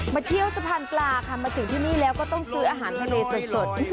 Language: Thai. เที่ยวสะพานปลาค่ะมาถึงที่นี่แล้วก็ต้องซื้ออาหารทะเลสด